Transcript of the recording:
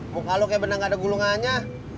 muk haluknya bener gak ada gulungannya